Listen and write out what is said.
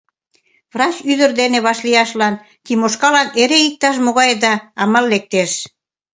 Врач ӱдыр дене вашлияшлан Тимошкалан эре иктаж-могай да амал лектеш.